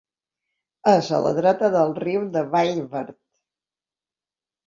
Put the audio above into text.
És a la dreta del riu de Vallverd.